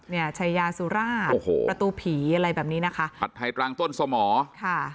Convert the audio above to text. เนี่ยชายาสุร่าโอ้โหประตูผีอะไรแบบนี้นะคะผัดไทยกลางต้นสมอค่ะ